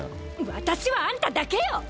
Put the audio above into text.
私はあんただけよ！